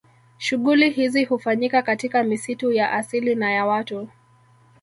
Shughuli hizi hufanyika katika misitu ya asili na ya watu